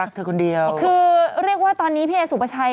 ก็เรียกว่าตอนนี้พี่เอสุภาชัย